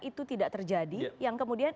itu tidak terjadi yang kemudian